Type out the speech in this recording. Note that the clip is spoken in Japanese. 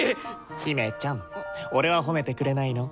姫ちゃん俺は褒めてくれないの？